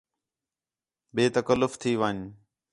بے تکلف تھی ون٘ڄ